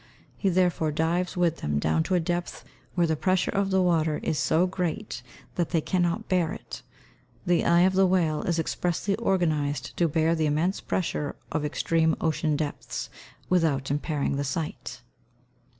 He therefore dives with them down to a depth where the pressure of the water is so great that they cannot bear it. The eye of the whale is expressly organised to bear the immense pressure of extreme ocean depths, without impairing the sight.